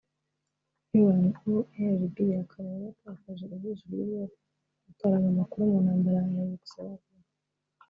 Iran ou en Libiya akaba yaratakaje ijisho rye ubwo yataraga amakuru mu ntambara ya Yougoslavie